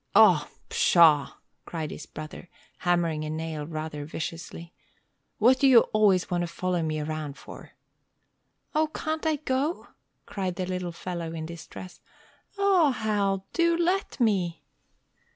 "O pshaw!" cried his brother, hammering a nail rather viciously. "What do you always want to follow me round for?" "O, can't I go?" cried the little fellow, in distress. "Aw, Hal, do let me!"